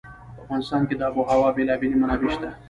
په افغانستان کې د آب وهوا بېلابېلې منابع شته.